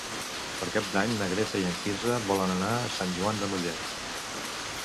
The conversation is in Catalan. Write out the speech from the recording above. Per Cap d'Any na Greta i en Quirze volen anar a Sant Joan de Mollet.